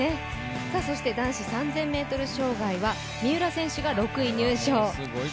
そして男子３０００ｍ障害は三浦選手が６位入賞。